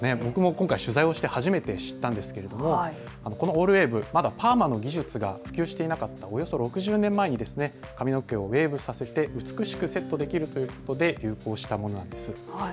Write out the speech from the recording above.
僕も今回取材をして初めて知ったんですけれどもオールウェーブ、まだパーマの技術が普及していなかったおよそ６０年前に髪の毛をウェーブさせて美しくセットしできるということで流行したものなんです。